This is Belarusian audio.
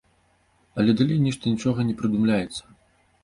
Але далей нешта нічога не прыдумляецца.